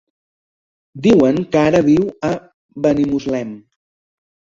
Diuen que ara viu a Benimuslem.